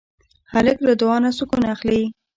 هلک له دعا نه سکون اخلي.